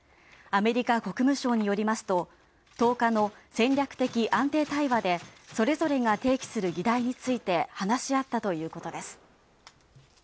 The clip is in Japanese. アメリカ国務省によりますと１０日の「戦略的安定対話」でそれぞれが提起する議題について話し合ったということです。